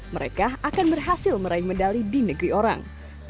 mereka akan berhasil meraih medali di negeri orang